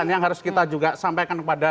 yang harus kita juga sampaikan kepada